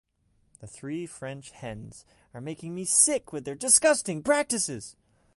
The three French hens are making me sick with their disgusting practices.